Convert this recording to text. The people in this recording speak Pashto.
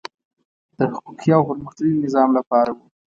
د حقوقي او پرمختللي نظام لپاره وو.